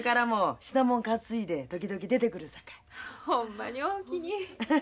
ほんまにおおきに。